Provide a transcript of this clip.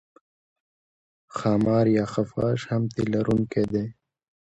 ښامار یا خفاش هم تی لرونکی دی